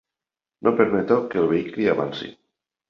No permeto que el vehicle avanci.